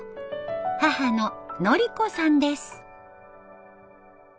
母の典子さんです。